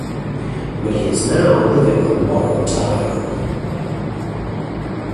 But he is now living on borrowed time.